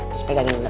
terus pegang ini dulu